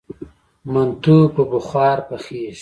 منتو په بخار پخیږي؟